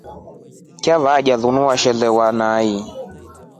Chava kutaa linu washelewa nai?